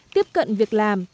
tiếp cận việc làm